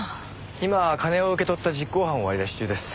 今金を受け取った実行犯を割り出し中です。